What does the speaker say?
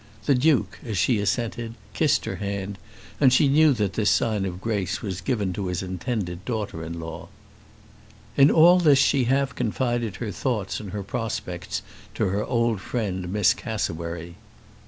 The Duke, as she assented, kissed her hand, and she knew that this sign of grace was given to his intended daughter in law. In all this she half confided her thoughts and her prospects to her old friend, Miss Cassewary.